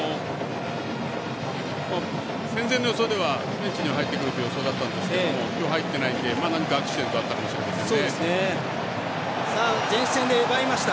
戦前の予想ではベンチには入ってくるという予想だったんですが今日は入ってないので何かアクシデントがあったかもしれないですね。